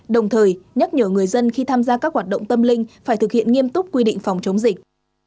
đồng thời nhắc nhở người dân khi tham gia các hoạt động tâm linh phải thực hiện nghiêm túc quy định phòng chống dịch